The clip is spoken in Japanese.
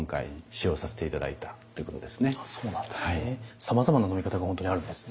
さまざまな飲み方が本当にあるんですね。